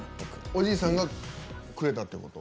おじいさんがくれたってこと？